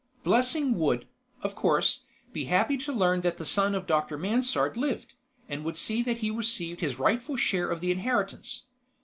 Blessing would, of course, be happy to learn that a son of Dr. Mansard lived, and would see that he received his rightful share of the inheritance.